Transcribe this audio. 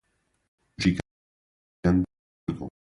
O gigante acordou